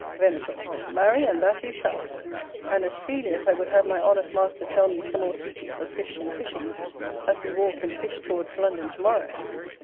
Venator. Marry, and that you shall; and as freely as I would have my honest master tell me some more secrets of fish and fishing, as we walk and fish towards London to morrow.